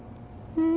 うん？